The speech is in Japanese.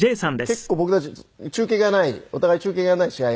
結構僕たち中継がないお互い中継がない試合